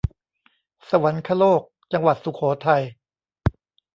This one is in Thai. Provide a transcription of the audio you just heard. สวรรคโลก จังหวัดสุโขทัย